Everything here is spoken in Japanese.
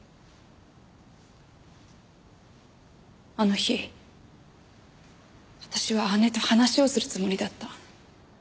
あの日私は姉と話をするつもりだった。